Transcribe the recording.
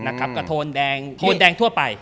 กระโทนแดงโทนแดงทั่วไป